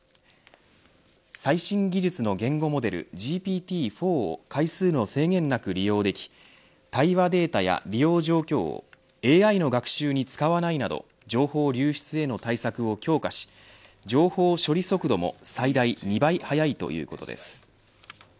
最新技術の言語モデルＧＰＴ‐４を回数の制限なく利用でき対話データや利用状況をＡＩの学習に使わないなど情報流出への対策を強化し情報処理速度も最大２倍速いということです。